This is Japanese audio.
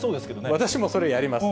私もそれやります。